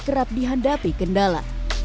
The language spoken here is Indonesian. kerap dihadapi kendala